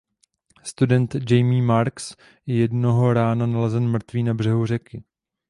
Student Jamie Marks je jednoho rána nalezen mrtvý na břehu řeky.